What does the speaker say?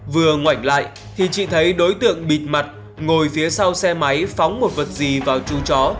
vừa ngoạnh lại thì chị thấy đối tượng bịt mặt ngồi phía sau xe máy phóng một vật gì vào chú chó